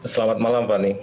selamat malam pani